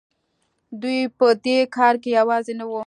دوی په دې کار کې یوازې نه وو.